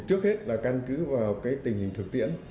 trước hết là căn cứ vào tình hình thực tiễn